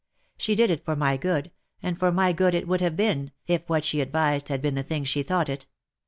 She did it for my good, and for my good it would have been, if what she advised had been the thing she thought it